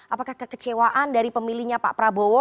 apakah kekecewaan dari pemilihnya pak prabowo